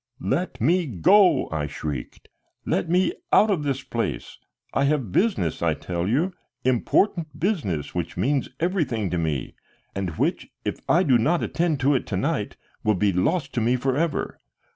"Let me go!" I shrieked. "Let me go out of this place. I have business, I tell you, important business which means everything to me, and which, if I do not attend to it to night, will be lost to me forever.